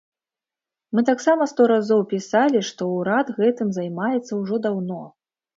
Мы таксама сто разоў пісалі, што ўрад гэтым займаецца ўжо даўно.